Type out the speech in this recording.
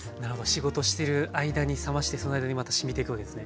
仕事してる間に冷ましてその間にまたしみていくわけですね。